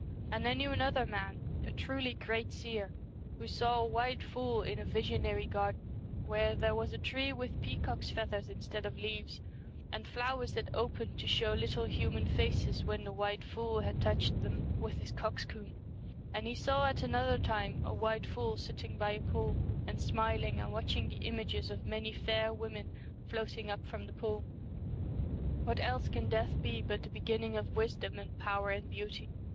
And I knew another man, a truly great seer, who saw a white fool in a visionary garden, where there was a tree with pea cocks' feathers instead of leaves, and flowers that opened to show little human faces when the white fool had touched them with his coxcomb, and he saw at 191 The another time a white fool sitting by a Twilight. P°°l an d smiling and watching the images of many fair women floating up from the pool. What else can death be but the begin ning of wisdom and power and beauty